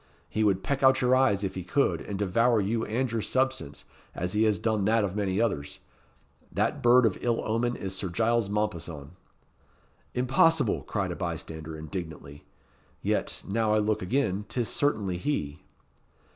He would peck out your eyes if he could, and devour you and your substance, as he has done that of many others. That bird of ill omen is Sir Giles Mompesson." "Impossible!" cried a bystander, indignantly. "Yet, now I look again, 'tis certainly he."